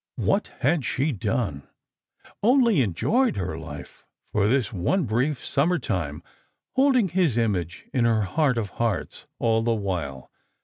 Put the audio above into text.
What had she done ? Only enjoyed her life for this one brief summer time, holding his image in her heart of hearts all the while.